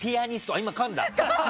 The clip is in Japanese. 今、かんだ。